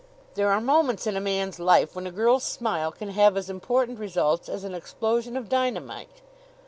There are moments in a man's life when a girl's smile can have as important results as an explosion of dynamite.